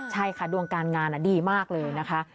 ใช่ค่ะดวงการงานดีมากเลยนะคะ